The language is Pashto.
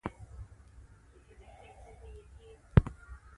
بادي ټیوب د مایکروسکوپ په جسم کې موقعیت لري.